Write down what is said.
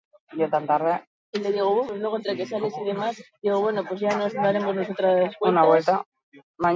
Horrez gain, bere gaztaroko momenturik adierazgarrienak gogoratuko ditu.